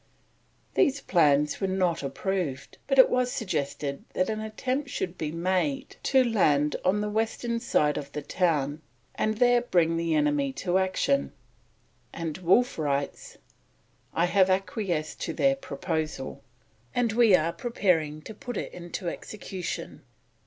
These plans were not approved, but it was suggested that an attempt should be made to land on the western side of the town and there bring the enemy to action, and Wolfe writes: "I have acquiesced in their Proposal, and we are preparing to put it into execution."